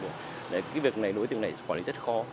cái việc này đối tượng này quản lý rất khó